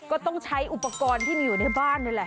ก็ต้องใช้อุปกรณ์ที่มีอยู่ในบ้านนี่แหละ